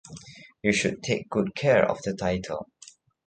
You should take good care of the title.